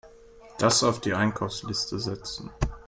Das auf die Einkaufsliste setzen.